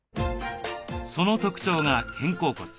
その特徴が肩甲骨。